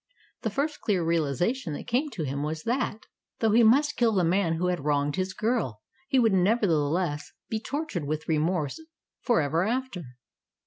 The first clear realization that came to him was that, though he must kill the man who had wronged his girl, he would nevertheless be tortured with remorse for ever after.